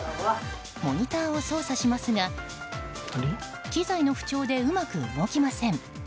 モニターを操作しますが機材の不調でうまく動きません。